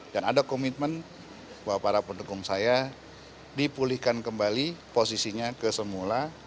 dan ada komitmen bahwa para pendukung saya dipulihkan kembali posisinya kesemula